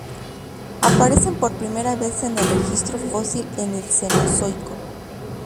Aparecen por primera vez en el registro fósil en el Cenozoico.